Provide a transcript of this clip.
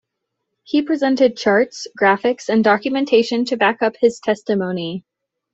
He presented charts, graphics and documentation to back up his testimony.